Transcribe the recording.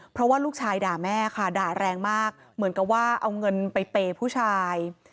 เพราะว่าลูกชายด่าแม่ค่ะด่าแรงมากเหมือนกับว่าเอาเงินไปเปย์ผู้ชาย